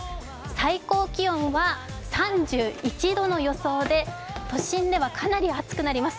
最高気温は３１度の予想で、都心ではかなり暑くなります。